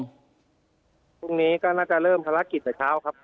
ก็น่าจะเริ่มภารกิจในเช้าครับ